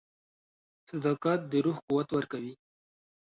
• صداقت د روح قوت ورکوي.